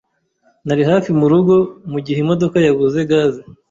Nari hafi murugo mugihe imodoka yabuze gaze.